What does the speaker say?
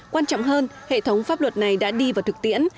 quan trọng hơn hệ thống pháp luật này đã đi vào thực tiễn